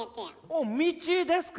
お道ですか。